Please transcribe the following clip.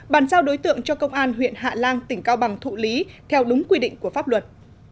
bàn giao đối tượng cho công an huyện hạ lan tỉnh cao bằng thụ lý theo đúng quy định của pháp luật